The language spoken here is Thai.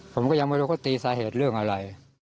ผมก็ยังไม่รู้เขาตีสาเหตุเรื่องอะไร